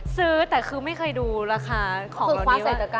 ซื้อแต่คือไม่เคยดูราคาของเรานี้ว่า